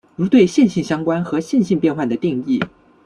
如对线性相关和线性变换的定义。